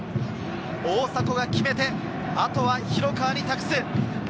大迫が決めて、後は広川に託す。